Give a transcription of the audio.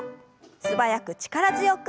素早く力強く。